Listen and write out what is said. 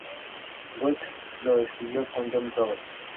Wright lo escribió con Jon Roberts.